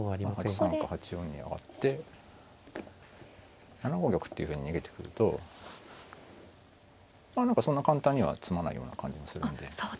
８三か８四に上がって７五玉っていうふうに逃げてくるとまあ何かそんな簡単には詰まないような感じもするんで。